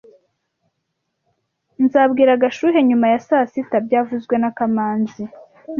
Nzabwira Gashuhe nyuma ya saa sita byavuzwe na kamanzi